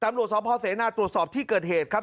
ตำรวจสพเสนาตรวจสอบที่เกิดเหตุครับ